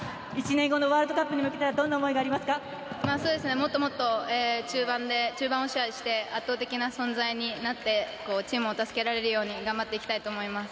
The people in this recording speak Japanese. １年後のワールドカップに向けてもっともっと中盤を支配して圧倒的な存在になってチームを助けられるように頑張っていきたいと思います。